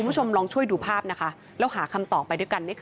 คุณผู้ชมลองช่วยดูภาพนะคะแล้วหาคำตอบไปด้วยกัน